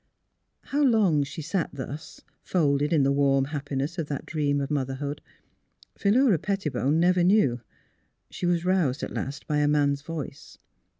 How long she sat thus, folded in the warm hap piness of that dream of motherhood, Philura Pet tibone never knew. She was roused at last by a man's voice.